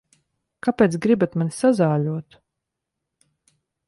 Kāpēc gribat mani sazāļot?